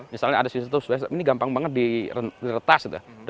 misalnya ada situs web ini gampang banget diretas gitu